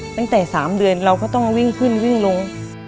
ตั้งแต่๓เดือนเราก็ต้องวิ่งขึ้นวิ่งลง